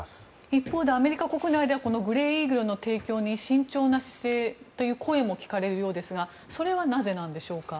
一方でアメリカ国内ではこのグレーイーグルの提供に慎重な姿勢という声も聞かれるようなんですがそれはなぜなんでしょうか。